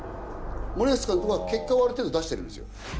森保監督は結果はある程度出してるんですよ。